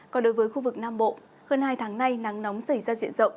còn đối với khu vực nam bộ hơn hai tháng nay nắng nóng xảy ra diện rộng